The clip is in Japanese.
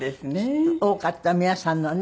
多かった皆さんのね。